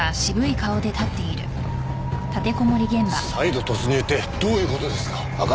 再度突入ってどういう事ですか？